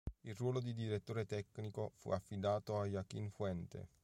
Il ruolo di direttore tecnico fu affidato a Joaquín Fuente.